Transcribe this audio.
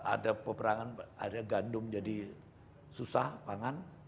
ada peperangan akhirnya gandum jadi susah pangan